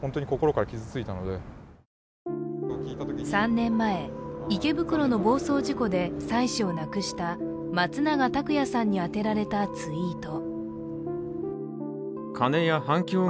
３年前、池袋の暴走事故で妻子を亡くした松永拓也さんにあてられたツイート。